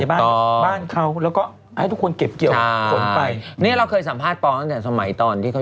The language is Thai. ในบ้านเขา